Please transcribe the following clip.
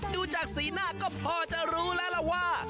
ดูจากสีหน้าก็พอจะรู้แล้วล่ะว่า